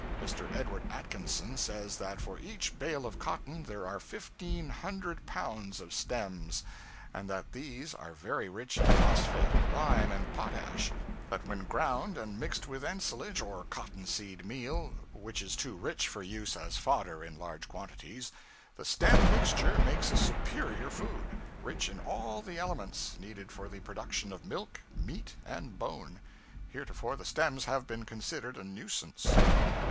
Mr. Edward Atkinson says that for each bale of cotton there are fifteen hundred pounds of stems, and that these are very rich in phosphate of lime and potash; that when ground and mixed with ensilage or cotton seed meal (which is too rich for use as fodder in large quantities), the stem mixture makes a superior food, rich in all the elements needed for the production of milk, meat, and bone. Heretofore the stems have been considered a nuisance.